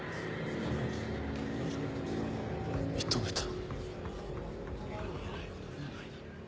認めた。